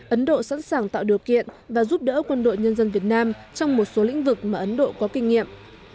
ấn độ sẵn sàng tạo điều kiện và giúp đỡ quân đội nhân dân việt nam trong một số lĩnh vực mà ấn độ có kinh nghiệm